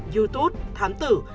youtube thám tử